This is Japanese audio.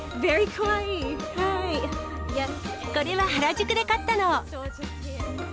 これは原宿で買ったの。